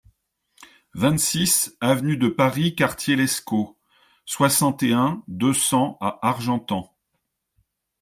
vingt-six avenue de Paris Qrt Lescot, soixante et un, deux cents à Argentan